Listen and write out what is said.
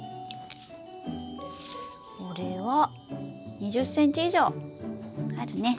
これは２０ｃｍ以上あるね。